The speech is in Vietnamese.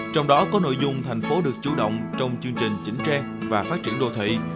trong đó có nội dung thành phố được chủ động trong chương trình chỉnh trang và phát triển đô thị